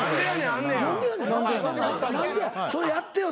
それやってよ